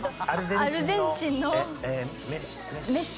アルゼンチンのメッシ？